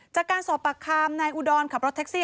จากการสอบปากคำนายอุดรขับรถแท็กซี่